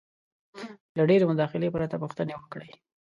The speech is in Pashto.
-له ډېرې مداخلې پرته پوښتنې وکړئ: